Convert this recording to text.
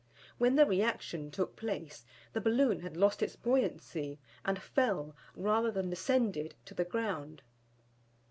When the re action took place, the balloon had lost its buoyancy, and fell, rather than descended, to the ground.